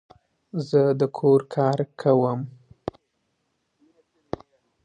زه د کور کار کوم